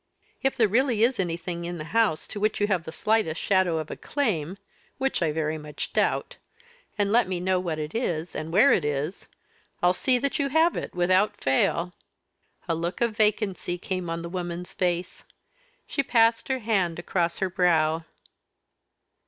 "If there really is anything in the house to which you have the slightest shadow of a claim, which I very much doubt, and let me know what it is, and where it is, I'll see that you have it without fail." A look of vacancy came on the woman's face. She passed her hand across her brow.